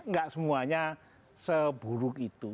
nggak semuanya seburuk itu